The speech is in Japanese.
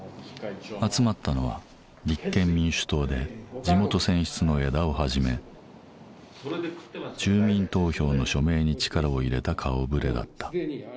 集まったのは立憲民主党で地元選出の江田をはじめ住民投票の署名に力を入れた顔ぶれだった。